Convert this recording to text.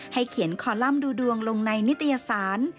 เขียนคอลัมป์ดูดวงลงในนิตยสาร